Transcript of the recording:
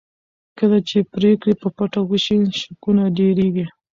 کله چې پرېکړې په پټه وشي شکونه ډېرېږي